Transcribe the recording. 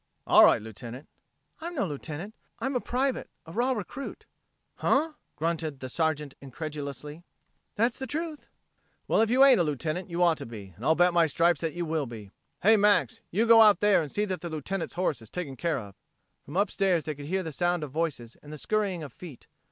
"All right, Lieutenant." "I'm no Lieutenant I'm a private, a raw recruit." "Huh?" grunted the Sergeant incredulously. "That's the truth." "Well, if you ain't a Lieutenant you ought to be and I'll bet my stripes that you will be. Hey, Max, you go out and see that the Lieutenant's horse is taken care of." From upstairs they could hear the sound of voices and the scurrying of feet.